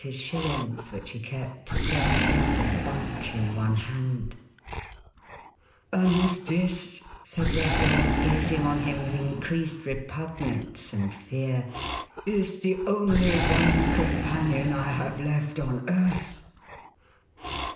his shillings, which he kept clenched up in a bunch, in one hand 492 THE HAUNTED MAN. "And this," said Redlaw, gazing on him with increased repugnance and fear, " is the only one companion I have left on earth."